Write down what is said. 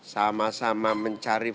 sama sama mencari fokus